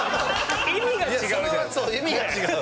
そう意味が違う。